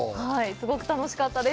すごく楽しかったです。